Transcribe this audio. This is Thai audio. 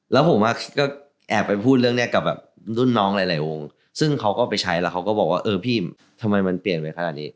แล้วผมก็แอบไปพูดเรื่องนี้กับแบบรุ่นน้องหลายวงซึ่งเขาก็ไปใช้แล้วเขาก็บอกว่าเออพี่ทำไมมันเปลี่ยนไปขนาดนี้